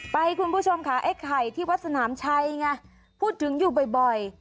คุณผู้ชมค่ะไอ้ไข่ที่วัดสนามชัยไงพูดถึงอยู่บ่อย